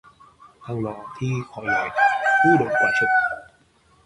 Thằng nó thì khỏi nói, hư đốn quá sức